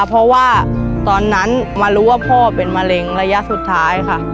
เพราะว่าตอนนั้นมารู้ว่าพ่อเป็นมะเร็งระยะสุดท้ายค่ะ